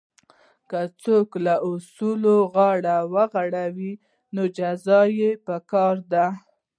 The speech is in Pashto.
که څوک له اصولو غاړه غړوي نو جزا یې پکار ده.